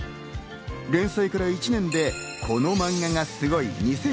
連載から１年で、「このマンガがすごい！